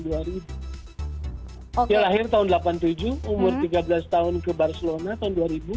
dia lahir tahun seribu sembilan ratus delapan puluh tujuh umur tiga belas tahun ke barcelona tahun dua ribu dua